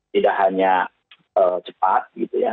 tidak hanya cepat gitu ya